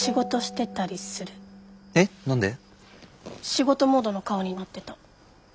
仕事モードの顔になってた。